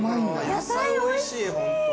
野菜おいしいホントに。